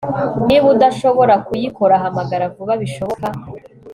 Niba udashobora kuyikora hamagara vuba bishoboka